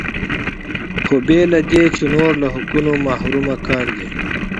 خو بې له دې چې نور له حقونو محروم کاندي.